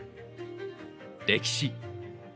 歴史。